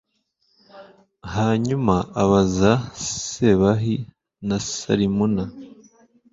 hanyuma abaza zebahi na salimuna